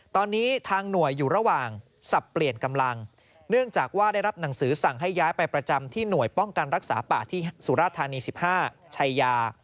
ตอนนี้ทางหน่วยอยู่ระหว่างสับเปลี่ยนกำลังเนื่องจากว่าได้รับหนังสือสั่งให้ย้ายไปประจำที่หน่วยป้องกันรักษาป่าที่สุราธานี๑๕ชัยยา